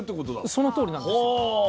そのとおりなんですよ。